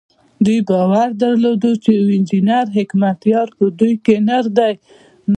دوی باور درلود چې يو انجنير حکمتیار په دوی کې نر دی.